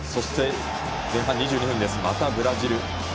前半２２分またブラジル。